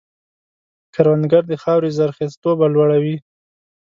کروندګر د خاورې زرخېزتوب لوړوي